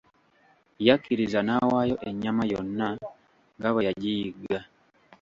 Yakkiriza nawaayo ennyama yonna nga bwe yagiyigga.